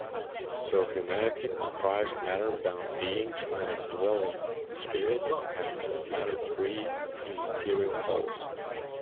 So humanity comprised matter-bound beings, matter-dwelling spirits and the matter-free or immaterial souls.